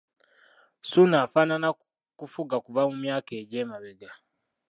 Ssuuna afaanana kufuga kuva mu myaka egy'emabega.